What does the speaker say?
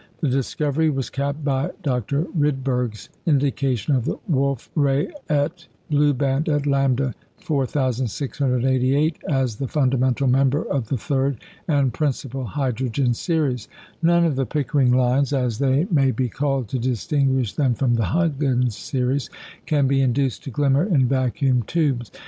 The discovery was capped by Dr. Rydberg's indication of the Wolf Rayet blue band at Lambda 4,688 as the fundamental member of the third, and principal, hydrogen series. None of the "Pickering lines" (as they may be called to distinguish them from the "Huggins series") can be induced to glimmer in vacuum tubes.